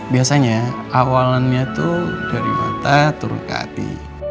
biasanya awalnya tuh dari mata turun ke hati